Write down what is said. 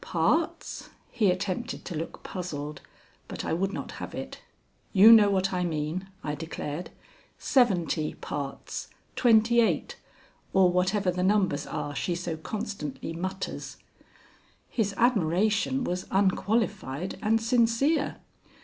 "Parts?" He attempted to look puzzled, but I would not have it. "You know what I mean," I declared; "seventy parts, twenty eight, or whatever the numbers are she so constantly mutters." His admiration was unqualified and sincere.